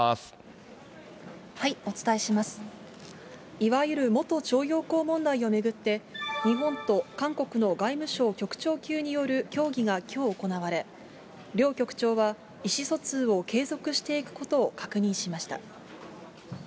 いわゆる元徴用工問題を巡って、日本と韓国の外務省局長級による協議がきょう行われ、両局長は意思疎通を継続していくことを確認しました。